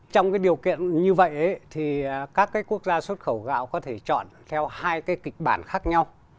trong điều kiện như vậy các quốc gia xuất khẩu gạo có thể chọn theo hai kịch bản